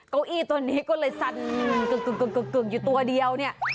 เก้าอี้ตัวนี้ก็เลยสั่นกึ่งอยู่ตัวเดียวเนี่ย